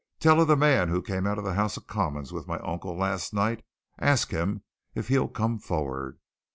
Tell of the man who came out of the House of Commons with my uncle last night ask him if he'll come forward.